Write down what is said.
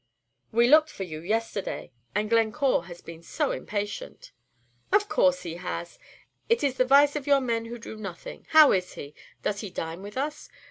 "We looked for you yesterday, and Glencore has been so impatient." "Of course he has; it is the vice of your men who do nothing. How is he? Does he dine with us?